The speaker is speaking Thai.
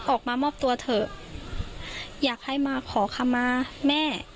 ออกมามอบตัวเถอะอยากให้มาขอคำมาแม่